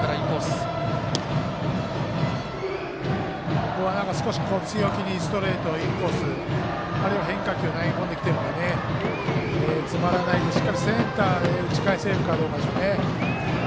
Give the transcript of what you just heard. ここは少し強気にストレートインコース、あるいは変化球を投げ込んできてるので詰まらないように、しっかりセンターへ打ち返せるかどうかでしょうね。